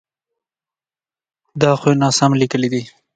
د احمد له ډېره نازه کونه ورکه ده.